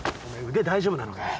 腕大丈夫なのかよ？